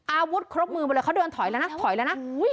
อาวุธครบมือไปเลยเขาเดินถอยแล้วนะถอยแล้วนะ